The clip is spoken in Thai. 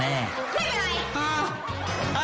ไม่เป็นไร